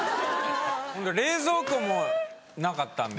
冷蔵庫もなかったんで。